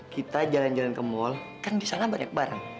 kita jalan jalan ke mall kan disana banyak barang